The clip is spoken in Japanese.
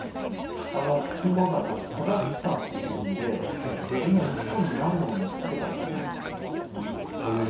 金峰山さんはカザフスタンの出身で今、日本に来て何年たっていますか？